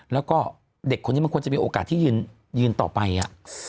แล้วก็เด็กคนนี้มันควรจะมีโอกาสที่ยืนต่อไปอ่ะ